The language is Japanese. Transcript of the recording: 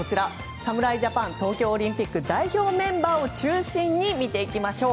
侍ジャパン東京オリンピック代表メンバーを中心に見ていきましょう。